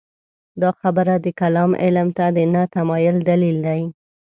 دا خبره د کلام علم ته د نه تمایل دلیل دی.